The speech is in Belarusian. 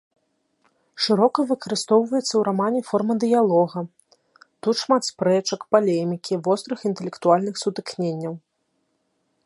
Шырока выкарыстоўваецца ў рамане форма дыялога, тут шмат спрэчак, палемікі, вострых інтэлектуальных сутыкненняў.